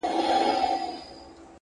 صبر د لویو هیلو ملګری دی،